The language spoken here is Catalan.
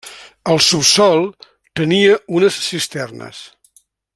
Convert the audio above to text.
Al subsòl tenia unes cisternes.